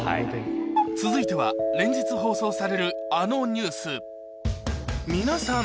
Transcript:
続いては連日放送されるあのニュース皆さん！